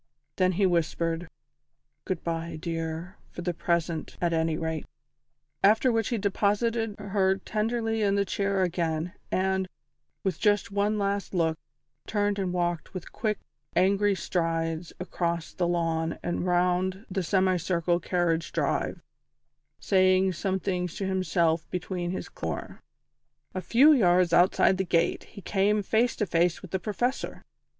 Then he whispered: "Good bye, dear, for the present, at any rate!" After which he deposited her tenderly in the chair again, and, with just one last look, turned and walked with quick, angry strides across the lawn and round the semi circular carriage drive, saying some things to himself between his clenched teeth, and thinking many more. A few yards outside the gate he came face to face with the Professor.